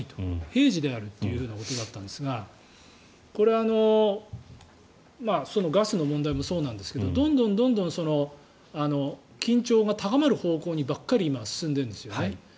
平時であるということだったんですがこれガスの問題もそうなんですがどんどん緊張が高まる方向にばかり今、進んでいるんですよね。